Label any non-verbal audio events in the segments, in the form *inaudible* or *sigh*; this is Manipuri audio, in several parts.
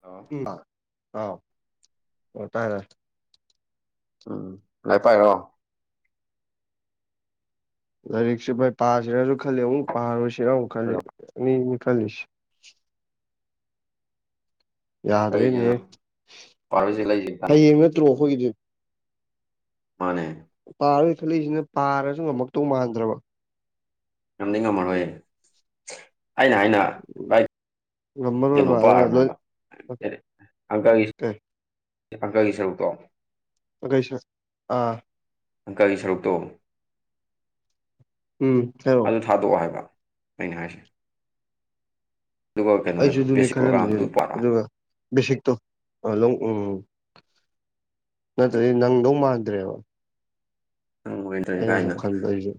ꯍꯜꯂꯣ ꯎꯝ ꯑꯥꯎ ꯑꯣ ꯇꯥꯏꯌꯦ꯫ ꯎꯝ ꯂꯥꯏꯔꯤꯛ ꯄꯥꯏꯔꯣ? ꯂꯥꯏꯔꯤꯛꯁꯤ ꯚꯥꯏ ꯄꯥꯁꯤꯔꯖꯨ ꯈꯜꯂꯤ ꯑꯃꯨꯛ ꯄꯥꯔꯣꯏꯁꯤꯔꯥ ꯑꯃꯨꯛ ꯈꯜꯂꯦ ꯀꯩꯅꯣ ꯑꯅꯤꯅꯤ ꯈꯜꯂꯤꯁꯤ ꯌꯥꯗ꯭ꯔꯦꯅꯦꯍꯦ ꯀꯩꯒꯤꯅꯣ ꯄꯥꯔꯣꯏꯁꯦ ꯂꯩꯁꯦ ꯀꯅꯣ ꯍꯌꯦꯡ ꯅꯠꯇ꯭ꯔꯣ ꯑꯩꯈꯣꯏꯒꯤꯗꯤ? ꯃꯥꯅꯦ ꯄꯥꯔꯔꯣꯏ ꯈꯜꯂꯛꯏꯁꯤꯅ ꯄꯥꯔꯁꯨ ꯉꯝꯃꯛꯇꯧ ꯃꯥꯟꯗ꯭ꯔꯕ꯫ ꯉꯝꯗꯤ ꯉꯝꯃꯔꯣꯏꯌꯦ ꯑꯩꯅ ꯍꯥꯏꯅ ꯚꯥꯏ ꯉꯝꯃꯔꯣꯏꯕ ꯑꯗꯨꯅ ꯀꯩꯅꯣꯄꯥꯔꯅꯣ ꯂꯣꯏ ꯍꯥꯏꯕ ꯍꯥꯏꯗꯤ ꯑꯪꯀꯒꯤ ꯀꯩ ꯑꯪꯀꯒꯤ ꯁꯔꯨꯛꯇꯣ ꯑꯪꯀꯩ-ꯁ-ꯑ ꯑꯪꯀꯒꯤ ꯁꯔꯨꯛꯇꯣ ꯎꯝ ꯍꯥꯏꯔꯛꯑꯣ ꯑꯗꯨ ꯊꯥꯗꯣꯛꯑꯣ ꯍꯥꯏꯕ ꯑꯩꯅ ꯍꯥꯏꯁꯤ꯫ ꯑꯩꯁꯨ ꯑꯗꯨꯅꯦ ꯕꯦꯁꯤꯛ ꯈꯜꯂꯝꯃꯤꯁꯦ ꯄ꯭ꯔꯣꯒꯥꯝꯗꯨ ꯄꯥꯔꯣ ꯑꯗꯨꯒ ꯕꯦꯁꯤꯛꯇꯣ ꯑ- ꯂꯧ-ꯎꯝ ꯅꯠꯇ꯭ꯔꯗꯤ ꯅꯪꯗꯧ ꯃꯥꯟꯗ꯭ꯔꯦꯕ꯫ ꯎꯝ ꯑꯣꯏꯇ꯭ꯔꯦ ꯑꯩꯅ ꯁꯨꯝ ꯀꯥꯏꯅ ꯈꯟꯕ ꯑꯩꯁꯨ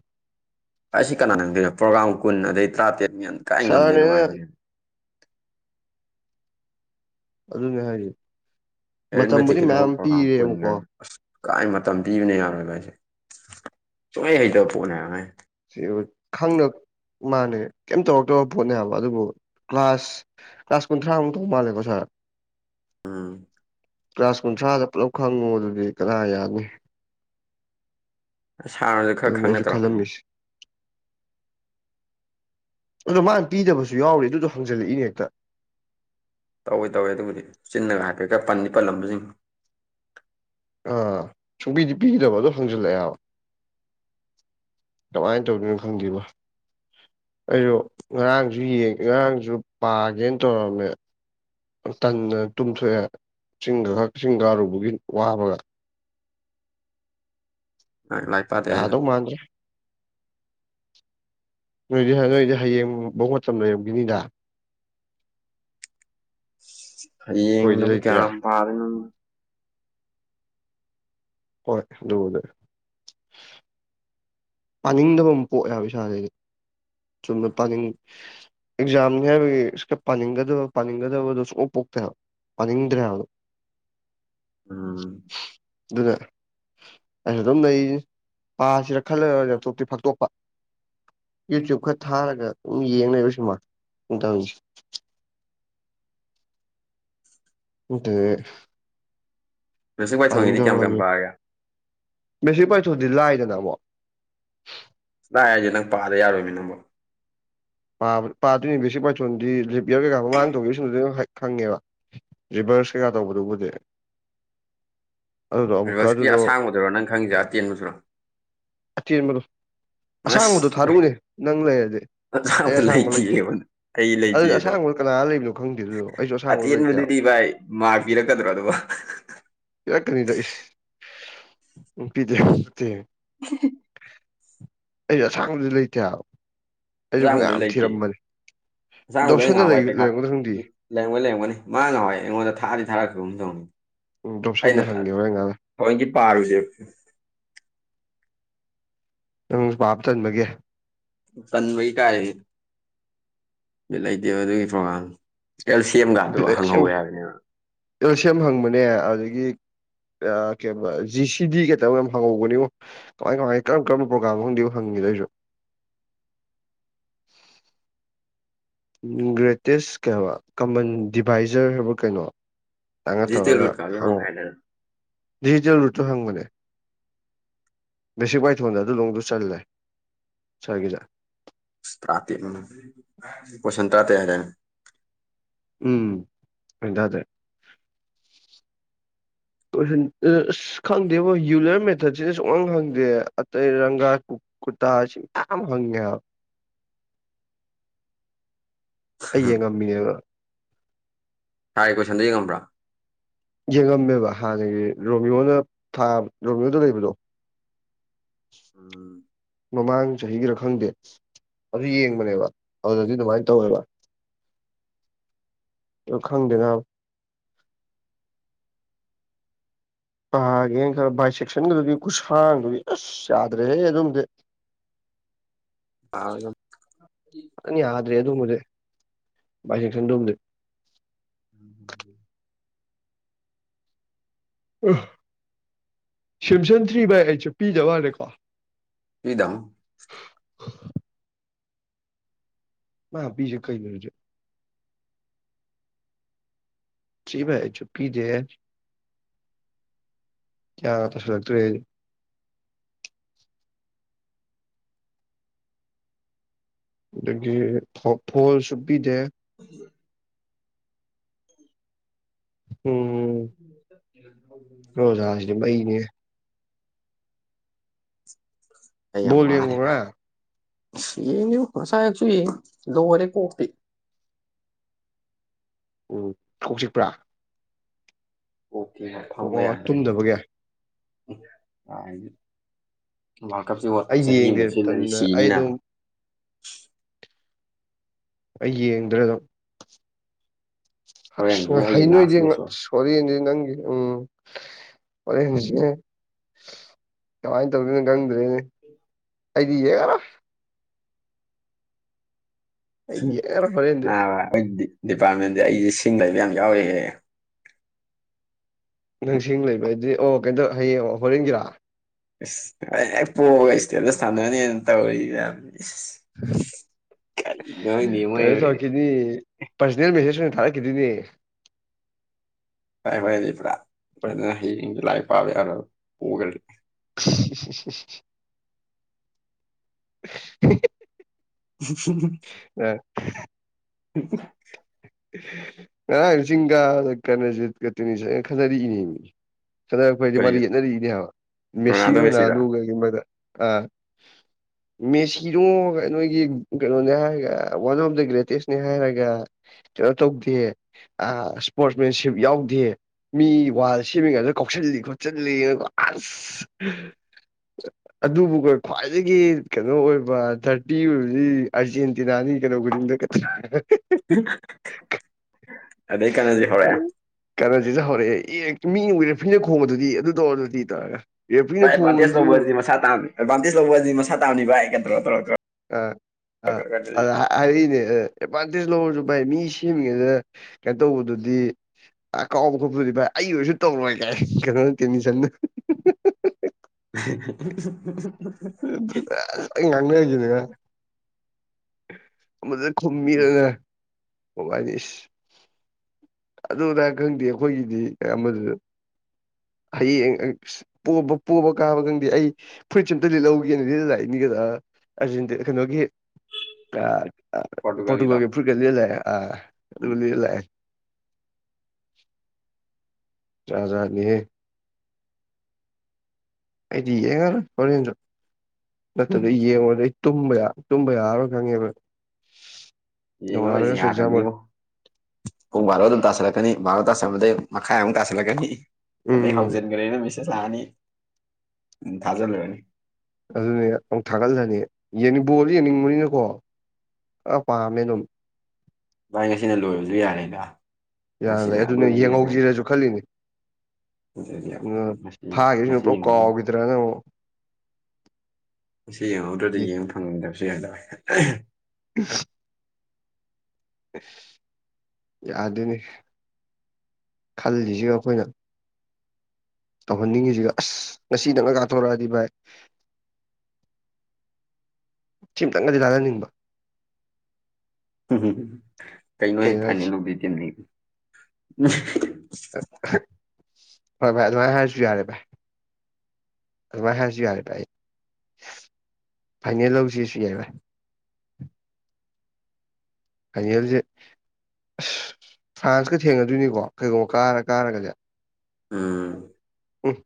ꯑꯩꯁꯤ ꯀꯅꯥꯅ ꯉꯝꯗꯣꯏꯅꯣ ꯄ꯭ꯔꯣꯒ꯭ꯥꯔꯝ ꯀꯨꯟ ꯑꯗꯩ ꯇꯔꯥꯇꯔꯦꯠ ꯃꯌꯥꯝ ꯀꯥꯏ ꯉꯝꯗꯣꯏꯅꯣ ꯁꯥꯔꯅꯦꯅ ꯚꯥꯏ꯫ ꯑꯗꯨꯅꯦ ꯍꯥꯏꯖꯦ꯫ ꯑꯦꯔꯤꯠꯃꯦꯇꯤꯛꯀꯤ ꯊꯕꯛ ꯄꯣꯒ꯭ꯥꯔꯝ ꯀꯨꯟ ꯒꯥꯏꯅ ꯑꯁ꯫ ꯀꯥꯏ ꯃꯇꯝ ꯄꯤꯕꯅ ꯌꯥꯔꯣꯏ ꯚꯥꯏꯁꯦ ꯁꯨꯡꯍꯩ ꯍꯩꯇꯕ ꯄꯣꯠꯅꯦ ꯍꯥꯏꯕ꯫ ꯁꯤꯕꯨ ꯈꯪꯅ ꯃꯥꯥꯟꯅꯦ ꯀꯩꯝ ꯇꯧꯔꯛꯇꯕ ꯄꯣꯠꯅꯦ ꯍꯥꯏꯕ ꯑꯗꯨꯕꯨ ꯀ꯭ꯂꯥꯁ-ꯀ꯭ꯂꯥꯁ ꯀꯨꯟꯊ꯭ꯔꯥꯃꯨꯛ ꯇꯧ ꯃꯥꯜꯂꯦꯀꯣ ꯁꯦ ꯎꯝ ꯀ꯭ꯂꯥꯁ ꯀꯨꯟꯊ꯭ꯔꯥꯗ ꯄꯨꯂꯞ ꯈꯪꯉꯨ ꯑꯗꯨꯗꯤ ꯀꯅꯥ ꯌꯥꯅꯤ꯫ ꯁꯥꯔꯖꯨ ꯈꯔ ꯑꯗꯨꯅꯤ ꯈꯪꯅ ꯑꯩꯁꯨ ꯇꯧꯔꯛꯀꯅꯤꯗ꯫ ꯈꯜꯂꯝꯃꯤꯁꯦ ꯑꯗꯣ ꯃꯥꯅ ꯄꯤꯗꯕꯁꯨ ꯌꯥꯎꯔꯤ ꯑꯗꯨꯗꯣ ꯍꯪꯖꯤꯜꯂꯛꯏꯅꯦ ꯍꯦꯛꯇ꯫ ꯇꯧꯑꯦ-ꯇꯧꯑꯦ ꯑꯗꯨꯕꯨꯗꯤ ꯆꯤꯟꯅꯒ ꯍꯥꯏꯐꯦꯠꯀ ꯄꯟꯗꯤ ꯄꯜꯂꯝꯕꯖꯤꯡ꯫ ꯑꯥ ꯁꯨꯡꯄꯤꯗꯤ ꯄꯤꯗꯕ ꯑꯗꯨ ꯍꯪꯖꯤꯜꯂꯛꯑꯦꯕ꯫ ꯀꯃꯥꯏꯅ ꯇꯧꯗꯣꯏꯅꯣ ꯈꯪꯗꯦꯕꯣ꯫ ꯑꯩꯖꯨ ꯉꯔꯥꯡꯖꯨ ꯌꯦꯡ ꯉꯔꯥꯡꯖꯨ ꯄꯥꯒꯦꯅ ꯇꯧꯔꯝꯃꯦ꯫ ꯇꯟꯗꯅ ꯇꯨꯝꯊꯣꯛꯑꯦ ꯆꯤꯡꯒ ꯈꯔ ꯆꯤꯡꯀꯥꯔꯨꯕꯒꯤ ꯋꯥꯕꯒ꯫ ꯂꯥꯏ ꯂꯥꯏꯔꯤꯛ ꯄꯥꯗꯦ ꯍꯥꯏꯗꯣ ꯌꯥꯗꯧ ꯃꯥꯟꯗ꯭ꯔꯦ ꯅꯣꯏꯗꯤ ꯅꯣꯏꯗꯤ ꯍꯌꯦꯡꯕꯥꯎ ꯃꯇꯝ ꯂꯩꯔꯝꯒꯤꯅꯤꯗ꯫ ꯑꯩꯈꯣꯏꯗꯤ ꯍꯌꯦꯡꯅꯕꯨ ꯂꯩꯇ꯭ꯔꯦ ꯀꯌꯥꯝ ꯄꯥꯗꯣꯏꯅꯣꯗ꯫ ꯍꯣꯏ ꯑꯗꯨꯕꯨꯗꯤ꯫ ꯄꯥꯅꯤꯡꯗꯕ ꯑꯃ ꯄꯣꯛꯑꯦ ꯍꯥꯏꯕ ꯏꯁꯥꯖꯦꯑꯩ ꯆꯨꯝꯅ ꯄꯥꯅꯤꯡ ꯑꯦꯛꯖꯥꯝꯅꯤ ꯍꯥꯏꯕꯒꯤ ꯈꯔ ꯥꯅꯤꯡꯒꯗꯕ ꯄꯥꯅꯤꯡꯒꯗꯕꯗꯨ ꯁꯨꯛꯄꯣꯛ ꯄꯣꯛ ꯇ꯭ꯔꯦ ꯄꯥꯅꯤꯡꯗ꯭ꯔꯦꯕ꯫ ꯎꯝ ꯑꯗꯨꯅ ꯑꯩ ꯑꯗꯨꯝ ꯂꯩꯔꯤꯖꯤꯅꯤ ꯄꯥꯁꯤꯔꯥ ꯈꯜꯂꯒ ꯂꯦꯞꯇꯣꯞꯇꯤ ꯐꯥꯛꯇꯣꯛꯄ ꯌꯨꯇ꯭ꯌꯨꯕ ꯈꯔ ꯊꯥꯔꯒ ꯑꯗꯨꯝ ꯌꯦꯡ ꯂꯩꯕ ꯁꯤꯅꯦꯃꯥꯁꯦ ꯑꯩꯅ ꯇꯧꯔꯤꯁꯦ꯫ *unintelligible* ꯑ ꯔꯤꯁꯤꯛ ꯋꯥꯏꯊꯣꯡꯒꯤꯗꯤ ꯄꯥꯅꯤꯡꯗꯕ ꯀꯌꯥꯝ ꯀꯌꯥꯝ ꯑꯗꯨ ꯄꯥꯔꯒꯦ ꯕꯦꯁꯤ ꯄꯩꯊꯣꯗꯤ ꯂꯥꯏꯗꯅ ꯑꯃꯨꯛ ꯁꯗ ꯍꯥꯏꯔꯤꯁꯦ ꯅꯪ ꯄꯥꯗ ꯌꯥꯔꯣꯏꯃꯤ ꯅꯪꯕꯣ ꯄꯥꯗꯣꯏꯅꯦ ꯦꯁꯤ ꯃꯥꯏꯊꯣꯟꯗꯤ ꯂꯤꯞꯔ ꯀꯩꯀꯥ ꯃꯃꯥꯡ ꯇꯧꯒꯦꯁꯤꯡ ꯈꯪꯉꯦꯕ ꯔ ꯀꯩꯀꯥ ꯇꯧꯕꯗꯨꯕꯨꯗꯤ ꯑꯗꯨꯗꯣ ꯑꯃꯨꯛꯀ ꯔꯤꯕꯁꯀꯤ ꯑꯗꯨꯗꯣ ꯑꯁꯥꯡꯕꯗꯨꯔꯣ ꯅꯪ ꯈꯪꯉꯦꯥ ꯑꯇꯦꯟꯕꯗꯨꯔꯣ ꯑꯇꯦꯟꯕꯗꯣ ꯑꯁꯥꯡꯕꯗꯣ ꯑꯁ ꯊꯥꯔꯨꯎꯅꯦ ꯅꯪ ꯂꯩꯔꯗꯤ ꯑꯩ ꯑꯁꯥꯡꯕꯗꯣ ꯑꯁꯥꯡꯕ ꯂꯩꯇꯦ ꯂꯩꯇꯤꯌꯦꯕ ꯑꯩ ꯑꯗꯨꯗꯤ ꯂꯩꯇꯤꯌꯦꯗꯣ ꯑꯁꯥꯡꯕꯗꯣ ꯀꯅꯥ ꯂꯩꯕꯅꯣ ꯈꯪꯗꯦ ꯑꯗꯨꯗ ꯑꯩꯁꯨ ꯑꯁꯥꯡꯕꯗ ꯂꯩꯇꯦꯕ ꯃꯥ ꯐꯤꯔꯒꯗꯔꯣ ꯑꯗꯨꯧꯕ ꯄꯤꯔꯛ ꯀꯅꯤꯗ ꯏꯁ *unintelligible* ꯑꯩꯁꯨ ꯑꯁꯥꯡꯕꯗꯤ ꯂꯩꯇꯦ ꯍꯥꯏꯕ ꯑꯩꯁꯨ ꯐꯅꯌꯥꯝ ꯊꯤꯔꯝꯕꯅꯤ ꯍꯛꯆꯥꯡꯗꯨꯗ ꯑꯩ ꯉꯍꯥꯎꯋꯥꯏ ꯄꯩꯈꯥ ꯂꯩꯔꯝꯣꯏ ꯂꯩꯔꯝꯒꯅꯤ ꯃꯥ ꯉꯥꯎꯏ ꯑꯩꯉꯣꯟꯗ ꯊꯥꯔꯗꯤ ꯊꯥꯛ ꯇꯧꯅꯤ ꯎꯝ ꯗꯣꯞꯁꯟꯗ ꯑꯩꯅ ꯍꯪꯒꯦ ꯍꯣꯔꯦꯟ ꯉꯥꯏꯍꯥꯛ ꯂꯩꯔ ꯍꯦꯟꯗꯤ ꯄꯥꯔꯨꯁꯦꯕ ꯅꯪꯁꯨ ꯄꯥꯕ ꯇꯟꯕꯒꯦ ꯇꯟꯕꯒꯤ ꯀꯥꯏ ꯂꯩꯇꯦꯕ ꯑꯗꯨꯒꯤ ꯄꯉꯜ ꯕꯤ ꯁꯦꯝ ꯍꯪꯕꯅꯦ ꯑꯗꯨꯗꯒꯤ ꯀ ꯖꯤ ꯁꯤ ꯗꯤ ꯀꯩꯇ ꯍꯪꯍꯧꯕꯒꯅꯤ ꯀꯃꯥꯏ ꯀꯃꯥꯏ ꯀꯝ ꯀꯔꯝꯕ ꯄ꯭ꯔꯣꯒꯥꯝ ꯈꯪꯗꯦ ꯍꯪꯅꯤꯡ ꯗꯣꯏꯁꯨꯣ *inaudible* ꯒ꯭ꯔꯦꯇꯦꯁ ꯀꯩ ꯀꯃꯟ ꯗꯤꯚꯥꯏꯖꯔ ꯍꯥꯏꯕ ꯀꯩꯅꯣ ꯇꯉꯥ ꯗꯤꯖꯤꯇꯦꯜ ꯇꯂꯒꯥ ꯔꯨꯠꯀꯥꯗꯣ ꯍꯪ ꯍꯥꯏꯗꯅ ꯍꯥꯉ ꯖꯦꯜ ꯔꯨꯇꯨ ꯍꯥꯉ ꯃꯅꯦ ꯕꯦꯁꯤꯛ ꯋꯥꯏꯊꯣꯟꯗ ꯑꯗꯨ ꯂꯣꯡꯗꯨ ꯆꯜꯂꯦ ꯁꯥꯔꯒꯤꯗ ꯭ꯔꯥꯇ ꯄꯣ ꯁꯟꯇ꯭ꯔꯥꯇ ꯍꯥꯏꯖꯅ ꯎꯝ ꯍꯗꯗꯦ *inaudible* ꯀ ꯑꯁ ꯈꯪꯗꯦꯕ ꯌꯨꯂꯔ ꯃꯦꯊꯠꯁꯤꯗ ꯁꯨꯡꯍꯥꯡ ꯈꯪꯗꯦ ꯑꯇꯩ ꯔꯪꯒꯥ ꯀꯠꯇ ꯁꯤ ꯀ ꯍꯪꯉꯦ *inaudible* ꯑꯩ ꯌꯦꯡ ꯉꯝꯃꯤꯅꯦꯕ ꯁꯥꯥꯏ ꯀꯣꯏꯁꯟꯗꯗꯤ ꯉꯝꯕ꯭ꯔꯥ ꯌꯦꯡꯉꯝꯃꯦꯕ ꯍꯥꯟꯅꯒꯤ ꯔꯣꯃꯤꯌꯣꯅꯥ ꯔꯣꯃꯤꯌꯣꯗ ꯂꯩꯕꯗꯣ ꯎꯝ ꯃꯃꯥꯡ ꯆꯍꯤꯒꯤꯔ ꯈꯪꯗꯦ ꯑꯗꯨ ꯌꯦꯡꯕꯅꯦꯕ ꯑꯗꯨꯗꯗꯤ ꯑꯗꯨꯃꯥꯏꯅ ꯇꯧꯋꯦꯕ *inaudible* ꯈꯪꯗꯅ ꯀꯥꯒꯦꯅ ꯈꯔ ꯕꯥꯏ ꯁꯦꯛꯁꯟꯗꯨꯗꯤ ꯈꯨꯨꯁꯥꯡꯗꯨꯗꯤ ꯑꯁ ꯌꯥꯗ꯭ꯔꯦꯍꯦ ꯑꯗꯨꯝꯗꯤ ꯑ ꯊ ꯃꯦ ꯁꯟꯕꯗꯤ ꯎꯝ ꯍꯝ ꯑ ꯁꯤꯝꯁꯟ ꯊ꯭ꯔꯤ ꯕꯥꯏ ꯑꯩꯠꯆ ꯄꯤꯖꯋꯥꯅꯦꯦꯀꯣ ꯏꯗꯗꯝ *unintelligible* ꯃꯥ ꯕꯤꯖꯦ ꯀꯩꯗꯔꯨꯖ ꯁꯤꯚꯥꯏ ꯆꯨꯞꯄꯤꯗꯦ ꯀꯌꯥ ꯇꯁꯇꯔꯦ ꯑꯗꯒꯤ ꯐ ꯐꯣꯜ ꯁꯕꯤꯗꯦ *inaudible* ꯎꯝ *inaudible* ꯅꯣꯏ ꯑꯣꯖꯖꯤꯗꯤ ꯃꯩꯅꯤꯍꯦ ꯑꯩ ꯌꯥꯝ ꯕꯣꯜ ꯋꯥꯔꯦ ꯌꯦꯡꯕ꯭ꯔꯥ ꯚꯥꯏ ꯁꯤ ꯐꯁꯥꯏ ꯆꯨ ꯂꯣꯔ ꯀꯣꯄꯤꯤ ꯎꯝ ꯍꯧꯖꯤꯛꯄ꯭ꯔꯥ ꯑꯣꯀꯦ ꯐꯪꯃꯦ ꯑꯣ ꯌꯥ꯭ꯔꯦ ꯇꯨꯝꯗꯕꯒꯤ ꯋꯥꯔꯜ ꯀꯞꯁꯦ ꯍ ꯑꯩ ꯆꯍꯤ ꯌꯦꯡꯗꯦ ꯑꯃꯡꯨꯝꯕ ꯁꯤꯜꯂꯗꯤ ꯇꯟꯅ ꯑꯩ ꯁꯤꯅꯤꯅ ꯑꯗꯨꯝ ꯑꯩ ꯌꯦꯡꯗ꯭ꯔ ꯑꯗꯨꯣ ꯍꯣꯔꯦꯟꯁꯤꯅ ꯑꯩꯒꯤ ꯂꯥꯁ ꯍꯩꯅꯣꯏꯗꯤ ꯃꯦꯠꯆ ꯁꯣꯔꯤꯗꯤ ꯅꯪꯒꯤ ꯎꯝ ꯀꯃꯥꯏꯅ ꯇꯧꯔꯤꯅꯣ ꯑꯩꯗꯤꯌꯦ ꯀꯔ ꯑꯩꯗꯤ ꯌꯦꯡꯉꯔꯣꯏ ꯍꯣꯔꯦꯟꯗꯤ ꯕ ꯑꯣꯏꯗꯤ ꯗꯤꯄꯥꯔꯠꯃꯦꯟꯗꯤ ꯑꯩꯁꯦ ꯁꯤꯡꯗ ꯂꯩꯕ ꯌꯥꯝ ꯌꯥꯎꯔꯍꯦ ꯅꯪꯁꯤꯡ ꯂꯩꯕꯗꯤ ꯑꯣ ꯀꯩꯇꯧ ꯍꯌꯦꯡ ꯍꯣꯔꯦꯟꯒꯤꯔꯥ ꯑꯩꯅꯦꯛ ꯄꯣ ꯏꯁꯇꯦꯗ ꯁꯥꯟꯅꯅꯦꯅ ꯇꯧꯔꯤ ꯀꯔ ꯆꯣꯀꯤꯅꯤ ꯄꯥꯔꯁꯣꯅꯦꯜ ꯃꯦꯁꯦꯖ ꯑꯣꯏꯅ ꯊꯥꯔꯛꯈꯤꯗꯨꯣꯏꯅꯦ ꯀꯥꯏ ꯋꯥꯏꯗꯤ ꯄꯨꯔꯥ ꯑꯗꯨꯅ ꯍꯌꯦꯡꯁ ꯂꯥꯏ ꯄꯥꯕ ꯌꯥꯔꯣꯏ ꯄꯨꯈ꯭ꯔ *unintelligible* *unintelligible* *unintelligible* ꯍ ꯉꯔꯥꯡ ꯆꯤꯡꯒꯥ ꯀꯅꯖꯤꯠ ꯀꯇꯅꯤ ꯈꯟꯖꯗꯤ ꯏꯅꯦꯅꯤ ꯆꯠꯅꯔꯛꯄ ꯍꯥꯏꯁꯦ ꯃꯥ ꯌꯦꯠꯅꯔꯤꯅꯦ ꯍꯥꯏꯕ ꯃꯦꯁꯤꯒꯅ ꯑꯗꯨꯒꯒꯤ ꯃꯔꯛꯇ ꯑꯥ ꯃꯦꯁꯤꯅꯣ ꯅꯣꯏꯒꯤ ꯀꯩꯅꯣꯅꯦ ꯍꯥꯏꯔꯒ ꯋꯥꯟ ꯑꯣꯐ ꯗ ꯒ꯭ꯔꯦꯇꯦꯁꯅꯦ ꯍꯥꯏꯔꯒ ꯀꯩꯅꯣ ꯇꯧꯗꯦ ꯏꯁꯄꯣꯔꯠꯁꯃꯦꯟꯁꯤꯞ ꯌꯥꯎꯗꯦ ꯃꯤ ꯋꯥ ꯁꯦꯝꯃꯤ ꯀꯥꯏꯗ ꯀꯧꯁꯤꯜꯂꯤ ꯈꯣꯠꯆꯜꯂꯤꯅꯀꯣ ꯑꯁ ꯑꯗꯨꯕꯨ ꯈ꯭ꯋꯥꯏꯗꯒꯤ ꯀꯩꯅꯣ ꯑꯣꯏꯕ ꯊꯥꯔꯇꯤ ꯑꯣꯏꯕꯗꯤ ꯑꯥꯔꯖꯦꯟꯇꯤꯅꯥꯅꯤ ꯀꯩꯅꯣ ꯈꯨꯗꯤꯡꯗ ꯑꯗꯨꯗꯩ ꯀꯅꯁꯤ ꯍꯔ ꯀꯩꯅꯣꯁꯤꯗ ꯍꯧꯔꯛꯑꯦ ꯑꯦ ꯃꯤꯅ ꯎꯨꯏꯔꯦ ꯐꯤꯅ ꯈꯣꯡꯕꯗꯨꯗꯤ ꯑꯗꯨ ꯇꯧꯔ ꯑꯗꯨꯗꯤ ꯇꯥꯔꯒ ꯍꯣꯏ ꯑꯦꯗꯚꯥꯟꯇꯦꯖ ꯂꯧꯕꯗꯤꯁꯥ ꯇ ꯑꯦꯗꯚꯥꯟꯇꯦꯖ ꯂꯧꯕꯁꯤꯗꯤ ꯃꯁ ꯇꯝꯅꯤ ꯚꯥꯏ ꯀꯗ꯭ꯔꯣ ꯇꯧꯔ꯭ꯔꯣ ꯑ ꯑ ꯍꯥꯏꯛꯅꯦ ꯑꯦꯗꯚꯥꯟꯇꯦꯖ ꯂꯧꯔꯁꯨ ꯚꯥꯏ ꯃꯤ ꯁꯦꯝꯃꯤꯉꯩꯗ ꯀꯩꯅꯣ ꯇꯧꯕꯗꯨꯗꯤ ꯑ ꯀꯥꯎꯕ ꯈꯣꯠꯄꯗꯤ ꯚꯥꯏ ꯑꯩ ꯑꯣꯏꯔꯁꯨ ꯇꯧꯔꯣꯏ ꯀꯥꯏ ꯀꯩꯅꯣ ꯇꯦꯟꯃꯤꯁꯟ *unintelligible* ꯏꯅꯤꯉ ꯑꯃꯗ ꯈꯨꯝꯕꯤꯔꯅ ꯃꯃꯥꯏꯅꯤꯁ ꯑꯗꯨꯗꯥ ꯈꯪꯗꯦ ꯑꯩꯈꯣꯏꯒꯤꯗꯤ ꯑꯃꯗꯨꯗ *unintelligible* ꯍꯌꯦꯡ ꯄꯣ ꯄꯣꯕ ꯀꯥꯕꯒꯪꯗꯦ ꯑꯩ ꯐꯨꯔꯤꯠꯁ ꯑꯝꯇ ꯂꯤꯠꯍꯧꯒꯦꯅ ꯂꯤꯠꯂ ꯂꯥꯛꯏꯅꯤꯒꯗ ꯑꯔꯖꯦꯟꯇ ꯀꯩꯅꯣꯒꯤ ꯑ ꯐꯣꯇꯨꯒꯜꯒꯤ ꯐꯠꯀ ꯂꯩꯑꯦ ꯑ ꯑꯗꯨꯕꯨ ꯂꯩꯂꯑꯦ *unintelligible* ꯆꯥꯖꯥꯅꯤꯍꯦ ꯑꯩꯗꯤ ꯌꯦꯡꯉꯔꯣꯏ ꯍꯣꯔꯦꯟꯗ ꯅꯠꯇ꯭ꯔꯗ ꯌꯦꯡꯉꯨꯔꯗ ꯑꯩ ꯇꯨꯝꯕ ꯌꯥ ꯇꯨꯝꯕ ꯌꯥꯔꯣꯏ ꯈꯪꯉꯦꯕ ꯌꯦꯡꯉꯔꯤꯁꯤꯦ ꯅꯣꯡꯉꯥꯜꯂꯒꯁꯨ ꯑꯦꯛꯖꯥꯝ ꯑꯣꯏ ꯌꯥꯗꯕꯅꯤꯕꯣ ꯄꯨꯡ ꯕꯥꯔꯣ ꯑꯗꯨꯝ ꯇꯥꯁꯜꯂꯛꯀꯅꯤ ꯕꯥꯥꯔꯣ ꯇꯥꯁꯟꯕꯗꯩ ꯃꯈꯥꯏ ꯑꯃꯨꯛ ꯇꯥꯁꯜꯂꯛꯀꯅꯤ ꯑꯗꯩ ꯎꯝ ꯍꯧꯖꯤꯟꯈ꯭ꯔꯦ ꯅꯨꯃꯤꯁ ꯂꯑꯅꯤ ꯎ ꯊꯥꯖꯂꯨꯔꯅꯤ ꯑꯗꯨꯅꯦ ꯑꯃꯨꯛ ꯊꯥꯒꯠꯂꯅꯤ ꯌꯦꯡꯅꯤꯡꯕꯁꯨ ꯌꯦꯡꯅꯤꯡꯕꯅꯤꯅꯀꯣ ꯑ ꯄꯥꯃꯤꯅꯣ ꯚꯥꯏ ꯉꯁꯤꯅ ꯂꯣꯏꯕꯁꯨ ꯌꯥꯔꯦꯗ ꯌꯥ ꯉꯁꯤꯅ ꯂꯩꯦ ꯑꯗꯨꯅꯦ ꯑꯔꯣꯏꯕ ꯃꯦꯠꯁꯅꯦ ꯌꯦꯡꯍꯧꯁꯤꯔꯁꯨ ꯈꯜꯂꯤꯅꯦ ꯑꯗꯨꯗꯤ ꯎ ꯉꯁꯤ ꯐꯥꯈꯤꯁꯤꯅ ꯉꯁꯤ ꯄꯨ꯭ꯔꯣ ꯀꯥꯎꯈꯤꯗ꯭ꯔꯥꯅ ꯑꯃꯨꯛ ꯑꯁꯤ ꯌꯦꯡꯍꯧꯗ꯭ꯔꯗꯤ ꯌꯦ ꯌꯦꯡꯕ ꯐꯪꯅꯤꯡꯗꯕꯁꯨ ꯌꯥꯗꯕꯦ ꯎ ꯑꯗꯨꯅꯤ ꯈꯜꯂꯤꯁꯤꯒ ꯑꯩꯈꯣꯏꯅ ꯇꯧꯍꯟꯅꯤꯡꯉꯤꯁꯤꯒ ꯑꯁ ꯉꯁꯤ ꯅꯪꯅ ꯀꯥꯊꯣꯔꯛꯑꯗꯤ ꯚꯥꯏ ꯁꯤꯝꯇꯪꯒꯗꯤ ꯂꯥꯟꯅꯟꯅꯤꯡꯕ ꯎ ꯀꯩꯅꯣ ꯁꯤ ꯐꯥꯏꯅꯦꯜ ꯂꯧꯗꯣꯏ ꯇꯤꯅꯤ ꯍꯣꯏ ꯚꯥꯏ ꯑꯗꯨꯃꯥꯏꯅ ꯍꯥꯏꯔꯁꯨ ꯌꯥꯔꯦ ꯚꯥꯏ ꯑꯗꯨꯃꯥꯏ ꯍꯥꯏꯁꯨ ꯌꯥꯔꯦ ꯚꯥꯏ ꯐꯥꯏꯅꯦꯜ ꯂꯧꯁꯤꯁꯨ ꯌꯥꯏꯔꯣꯏ ꯀꯩꯅꯁ ꯑꯁ ꯐ꯭ꯔꯥꯟꯁꯀ ꯊꯦꯡꯅꯗꯣꯏꯅꯤꯀꯣ ꯀꯩꯒꯨꯝꯕ ꯀꯥꯔ ꯀꯥꯔꯒꯗꯤ ꯎꯝ ꯎꯝ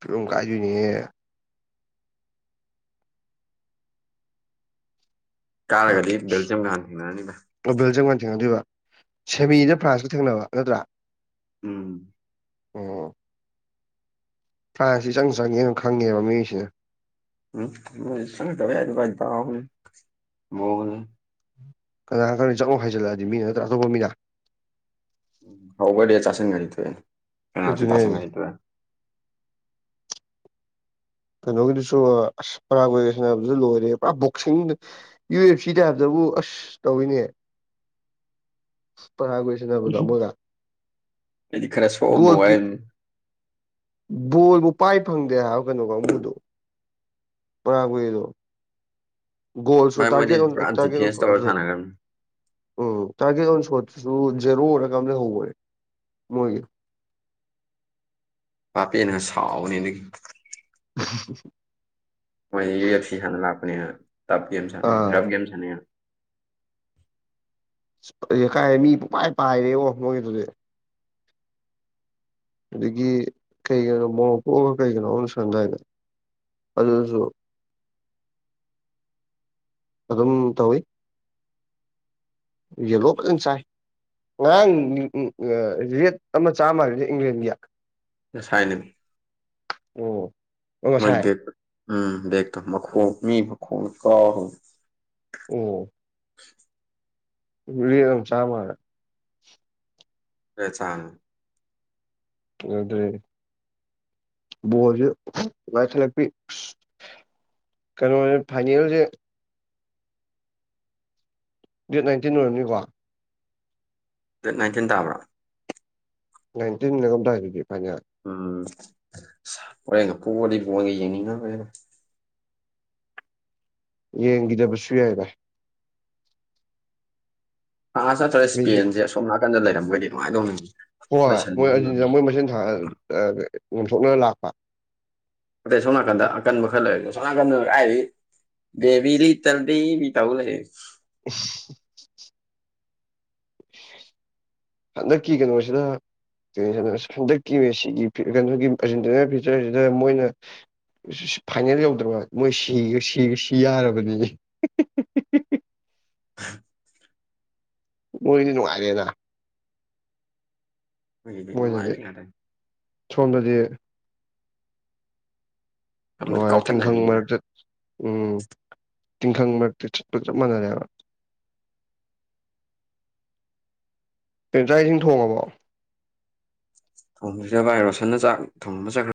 ꯀ ꯀꯖꯨꯅꯤ ꯀꯥꯔꯒꯗꯤ ꯕꯦꯜꯖꯤꯌꯝꯒ ꯍꯥꯟꯅ ꯊꯦꯡꯅꯔꯅꯤ ꯚꯥꯏ ꯑꯣꯕꯦꯜꯖꯤꯡ ꯃꯥꯟ ꯊꯅꯗꯤꯕ ꯁꯦꯃꯤꯗ ꯐ꯭ꯔꯥꯟꯁꯀ ꯊꯦꯡꯅꯕ ꯅꯠꯇ꯭ꯔꯥ ꯎꯝ ꯎꯝ ꯐꯥꯏꯁꯁꯤ ꯆꯪ ꯆꯪꯉꯦꯅ ꯈꯪꯉꯦꯕ ꯃꯤꯑꯣꯏꯁꯤꯅ ꯎꯝ ꯇꯋ ꯑꯗꯨ ꯀꯗꯣꯅꯤ ꯀꯅꯥ ꯀꯥꯟꯅꯣ ꯆꯠꯂꯣ ꯍꯥꯏꯖꯤꯜꯂꯛꯑꯗꯤ ꯃꯤ ꯅꯠꯇ꯭ꯔꯥ ꯑꯇꯣꯞꯄ ꯃꯤꯅ ꯍꯥꯎꯒꯗꯤ ꯆꯥꯁ ꯉꯔꯤ ꯇ ꯀꯅꯗꯤ ꯑꯗꯨꯅꯦ ꯆꯥꯁ ꯍꯥꯏꯁꯦ ꯉꯔꯤ ꯇꯦ ꯀꯩꯅꯣꯒꯤꯗꯨꯁꯨ ꯑꯁꯔꯥ ꯁꯅꯕ ꯂꯣꯏꯔꯦ ꯄꯨꯔꯥ ꯕꯣꯛ ꯌꯨ ꯑꯦꯐ ꯁꯤꯗ ꯍꯥꯏꯕ ꯑꯁ ꯇꯧꯋꯅꯦꯌꯦ *inaudible* ꯁꯥꯟꯅꯕꯗꯣ ꯃꯣꯏꯒ ꯑꯦꯗꯤ ꯈꯔ ꯁꯣꯕ ꯒꯣꯜ ꯀꯤꯛ ꯕꯣꯜꯕꯨ ꯄꯥꯏ ꯐꯪꯗꯦ ꯍꯥꯏꯕ ꯀꯩꯅꯣ ꯀꯥꯡꯕꯨꯗꯨꯣ ꯄꯨꯔꯥ ꯑꯣꯏꯗ ꯒꯣꯜꯁꯨ ꯚꯥꯏ ꯇꯒꯦ ꯃꯣꯏꯗꯤ ꯇꯦ ꯄꯨꯔꯥ ꯗꯤꯐꯦꯟꯁ ꯇꯧꯔ ꯁꯥꯟꯅꯒ꯭ꯔꯝꯅꯤ ꯎꯝ ꯇꯥꯔꯒꯦꯠ ꯑꯣꯟ ꯁꯣꯠꯇꯨꯁꯨ ꯖꯦꯔꯣ ꯑꯣꯏꯔꯀꯝꯗ ꯍꯧꯧꯕꯔꯦ ꯃꯣꯏꯒꯤ ꯄꯄꯤꯦꯅ ꯁꯥꯎꯅꯤꯗꯒꯤ *inaudible* ꯃꯣꯏ ꯌꯨ ꯑꯦꯐ ꯁꯤ ꯁꯥꯟꯅ ꯂꯥꯛꯄꯅꯦꯅ ꯇꯞ ꯒꯦꯝ ꯁꯥꯟꯅꯩ ꯑꯥ ꯔꯞ ꯒꯦꯝ ꯁꯥꯟꯅꯩꯅ ꯀꯥꯏꯦ ꯃꯤ ꯄꯨꯄꯥꯏ ꯄꯥꯏꯔꯦ ꯑꯣ ꯃꯣꯏꯒꯤ ꯑꯗꯨꯗꯤ ꯑꯗꯒꯤ ꯀꯩ ꯀꯅꯣ ꯃꯣꯔꯣꯛ ꯄꯣꯛꯑꯒ ꯀꯩ ꯀꯩꯅꯣ ꯁꯝꯗꯥꯏꯗ ꯑꯗꯨꯁꯨ *inaudible* ꯑꯗꯨꯝ ꯇꯧꯋꯤ ꯌꯦ ꯂꯣꯄ ꯑꯟꯁꯥꯏ ꯉꯔꯥꯡ ꯔꯦꯠ ꯑꯃ ꯆꯥꯃꯔꯤꯗ ꯏꯪꯂꯦꯟꯒꯤ ꯉꯥꯁꯥꯏꯅꯦ ꯑꯣ ꯃꯣꯏ ꯉꯁꯥꯏ ꯎꯝꯣ ꯃ ꯑꯣ ꯃꯤ ꯃꯈ ꯑ ꯍꯣ ꯎꯝ *inaudible* ꯎ ꯑꯗꯨꯝ ꯆꯥꯃꯔ ꯄꯆꯅ ꯑꯗꯨꯗꯦ ꯣꯖꯁ ꯂꯄꯤ ꯀꯩꯅꯣ ꯐꯥꯏꯅꯤꯜꯁꯦ ꯗꯦꯠ ꯅꯥꯏꯟꯇꯤꯟ ꯑꯣꯏꯔꯅꯤꯀꯣ ꯗꯦꯠ ꯅꯥꯏꯟꯇꯤꯟ ꯇꯥꯕ꯭ꯔꯥ ꯟꯇꯤꯟꯝꯗꯔꯗꯤ ꯄꯥ ꯎꯝ ꯍꯣꯔꯦ ꯉ ꯄꯑꯗꯤ ꯄꯣꯟꯒ ꯌꯦꯡꯅꯤꯡꯉ ꯍꯦꯅ ꯌꯦꯡꯒꯤꯗꯕꯁꯨꯨ ꯌꯥꯏꯒ ꯑ ꯅꯠꯇ꯭ꯔꯦ ꯁ ꯏꯁꯄꯦꯟꯁꯦ ꯑꯁꯣꯝ ꯅꯥꯀꯟꯗ ꯂꯩꯔꯝꯒꯗꯤꯅꯨꯡꯉꯥꯏꯗꯧꯅꯤꯅꯦ ꯍꯣꯏ ꯍꯣꯏ ꯃꯣꯏ ꯑꯗꯨ ꯃꯣꯏ ꯃꯆꯤꯟ ꯊ ꯉꯣꯝꯊꯣꯛꯅ ꯂꯥꯛꯄ ꯑꯇꯩ ꯁꯣꯝꯅꯥꯀꯟꯗ ꯑꯀꯟꯕ ꯈꯔ ꯂꯩꯔꯣ ꯁꯣꯝꯅꯥꯀꯟꯗ ꯍꯥꯏꯗꯤ ꯗꯦꯕꯤꯔꯤ ꯏꯇꯗꯤ ꯃꯤ ꯇꯥꯎ ꯂꯩ *inaudible* *unintelligible* ꯍꯟꯗꯛꯀꯤ ꯀꯩꯅꯣꯁꯤꯗ ꯍꯟꯗꯛꯀꯤ ꯁꯤꯒꯤ ꯀꯩꯅꯣꯒꯤ ꯐꯤꯆꯔꯁꯤꯗ ꯃꯣꯏꯅ ꯐꯥꯏꯅꯦꯜ ꯌꯧꯗ꯭ꯔꯕ ꯃꯣꯏ ꯁꯤꯒ ꯁꯤꯒ ꯁꯤ ꯌꯥꯔꯕꯅꯤꯅꯦ *inaudible* ꯃꯣꯏꯗꯤ ꯅꯨꯡꯉꯥꯏꯔꯦꯅ ꯃꯣꯏꯒꯤꯗꯤ ꯃꯣꯏꯗꯗꯤ ꯅꯨꯡꯉꯥꯏꯕ ꯉꯥꯛꯇꯅꯤ ꯁꯣꯝꯗꯗꯤ ꯁꯣꯝꯗꯗꯤ ꯑ ꯇꯤꯡꯈꯪ ꯀꯥꯎꯊꯠꯅꯕꯤꯅꯤꯅ ꯃꯔꯛꯇ ꯎꯝ ꯇꯤꯡꯈꯪ ꯃꯔꯛꯇꯤ ꯆꯠꯄ ꯆꯞ ꯃꯥꯟꯅꯔꯦꯕ ꯄꯦꯟꯖ꯭ꯔꯥꯏꯁꯤꯡ ꯊꯣꯡꯉꯕꯣ ꯊꯣꯡꯕꯁꯤꯗ ꯚꯏ ꯔꯣꯁꯟꯅ ꯆꯥꯛ ꯊꯣꯡꯕ ꯆꯈ꯭ꯔ